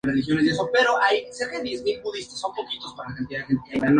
En su portada, El Diario Austral tituló: "Temuco: El Hospital Más Moderno Inauguran Hoy".